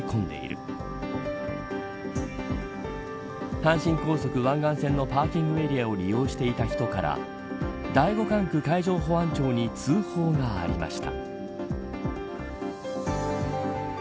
阪神高速湾岸線のパーキングエリアを利用していた人から第５管区海上保安部に通報がありました。